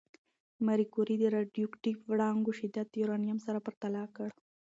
ماري کوري د راډیواکټیف وړانګو شدت د یورانیم سره پرتله کړ.